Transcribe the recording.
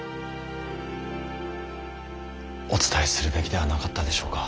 お伝えするべきではなかったでしょうか。